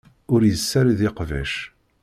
Ur yessared iqbac.